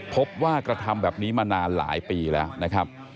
พบว่ากระทำแบบนี้มานานหลายปีแล้วนะครับ